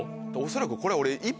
恐らくこれは俺。